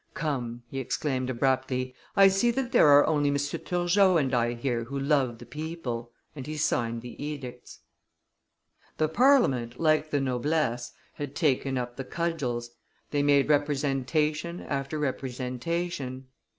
"Come," he exclaimed abruptly, "I see that there are only M. Turgot and I here who love the people," and he signed the edicts. The Parliament, like the noblesse, had taken up the cudgels; they made representation after representation.